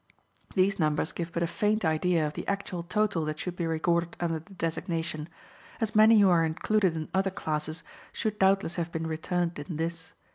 These numbers give but a faint idea of the actual total that should be recorded under the designation, as many who are included in other classes should doubtless have been returned in this.